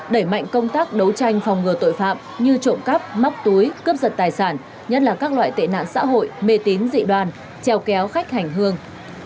đẩy mạnh công tác đấu tranh phòng ngừa tội phạm như trộm cắp móc túi cướp giật tài sản nhất là các loại tệ nạn xã hội mê tín dị đoàn treo kéo khách hành hương